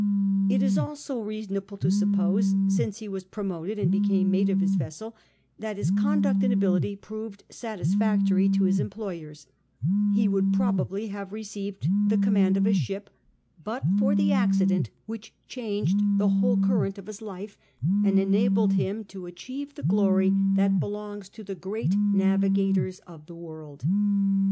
It is also reasonable to su])])osc, since he was jiro moted and became mate of his vessel, that liis conduct and ability proved satisfactory to his enqiloj^ers ; he would jirobably liave received the command of a slpj) but for the accident which clianged tlie wlnde current of his life, and enabled liim to achieve the glory that belongs to the great navigators of the world.